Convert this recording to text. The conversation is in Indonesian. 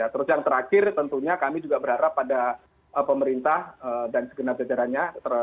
terus yang terakhir tentunya kami juga berharap pada pemerintah dan segenap jajarannya